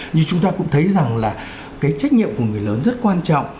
như chúng ta cũng thấy rằng là cái trách nhiệm của người lớn rất quan trọng